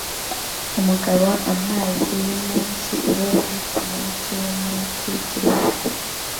Umugabo amazi yumunyu uroba kumunsi wumunsi wikiruhuko